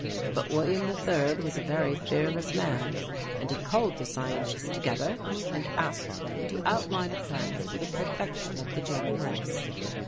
But William III was a very fearless man, and he called the scientists together and asked them to outline a plan for the perfection of the German race.